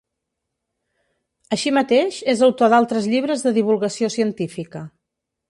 Així mateix, és autor d'altres llibres de divulgació científica.